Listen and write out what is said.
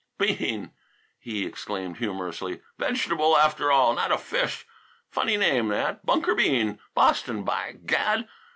"Bean!" he exclaimed humorously. "Vegetable after all; not a fish! Funny name that! Bunker Bean! Boston, by gad!